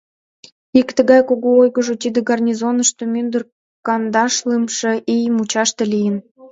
Ик тыгай кугу ойгыжо тиде гарнизонышто мӱндыр кандашлымше ий мучаште лийын.